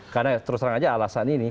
karena terus terang aja alasan ini